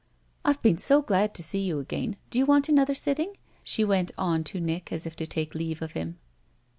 "I've been so glad to see you again do you want another sitting?" she went on to Nick as if to take leave of him.